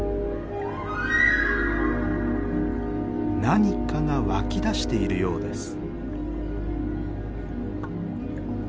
何かが湧き出しているようです。